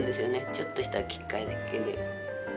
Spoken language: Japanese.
ちょっとしたきっかけで。